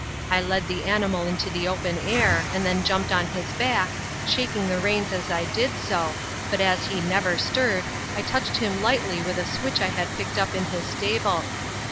I led the animal into the open air, and then jumped on his back, shaking the reins as I did so, but as he never stirred, I touched him lightly with a switch I had picked up in his stable.